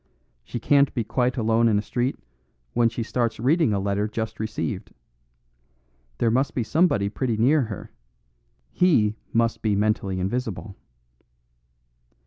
She can't be quite alone in a street when she starts reading a letter just received. There must be somebody pretty near her; he must be mentally invisible."